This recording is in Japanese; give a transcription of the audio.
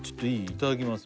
いただきます